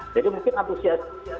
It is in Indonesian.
jadi mungkin antusiasi kita karena itu